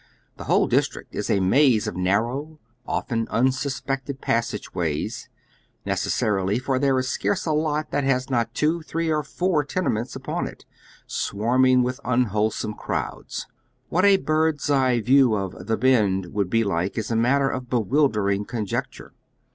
The whole district is a m.ize of narrow, often unsuspected passage ways — necessarily, for there is scarce a lot that has not two, three, or four tenements upon it, swarming with unwholesome crowds. AVhat a birds eye view of "the Bend " would be like is a matter of bewildering conject ure.